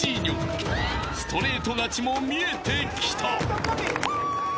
［ストレート勝ちも見えてきた］